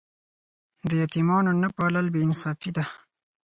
د یتیمانو نه پالل بې انصافي ده.